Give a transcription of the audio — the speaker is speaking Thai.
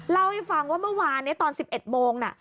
เล่าให้ฟังว่าเมื่อวานเนี้ยตอนสิบเอ็ดโมงน่ะ